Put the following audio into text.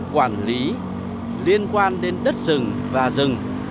quản lý liên quan đến đất rừng và rừng